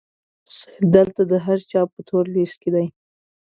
سید دلته د هر چا په تور لیست کې دی.